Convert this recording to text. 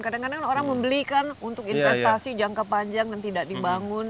kadang kadang orang membeli kan untuk investasi jangka panjang dan tidak dibangun